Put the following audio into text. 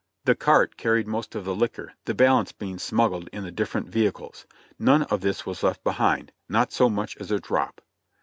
The cart carried most of the liquor, the balance being smuggled in the different vehicles; none of this was left behind, not so much as a drop.